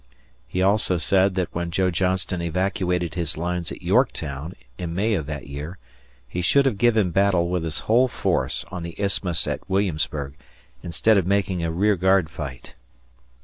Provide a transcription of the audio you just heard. He also said that when Joe Johnston evacuated his lines at Yorktown, in May of that year, he should have given battle with his whole force on the isthmus at Williamsburg, instead of making a rear guard fight.